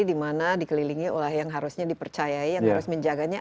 dimana dikelilingi oleh yang harusnya dipercayai yang harus menjaganya